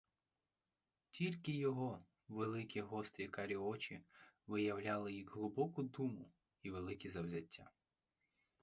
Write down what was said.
Тільки його великі гострі карі очі виявляли й глибоку думу, і велике завзяття.